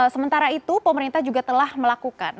sementara itu pemerintah juga telah melakukan